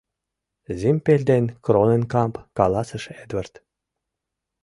— Зимпель ден Кроненкамп, — каласыш Эдвард.